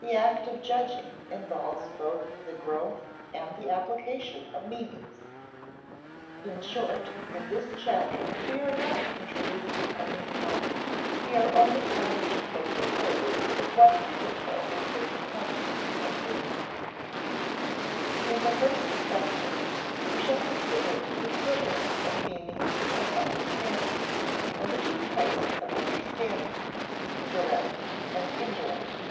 The act of judging involves both the growth and the application of meanings. In short, in this chapter we are not introducing a new topic; we are only coming to closer quarters with what hitherto has been constantly assumed. In the first section, we shall consider the equivalence of meaning and understanding, and the two types of understanding, direct and indirect.